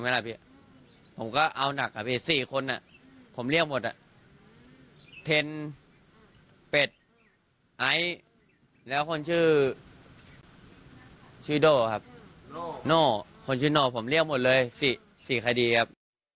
โน่โค้นชื่อนหนอผมเรียกหมดเลย๔คดีครับ